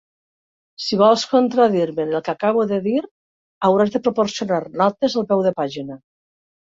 Si vols contradir-me en el que acabo de dir, hauràs de proporcionar notes al peu de pàgina.